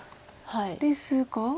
ですが。